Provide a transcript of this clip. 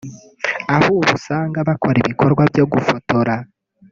aho ubu usanga bakora ibikorwa byo gufotora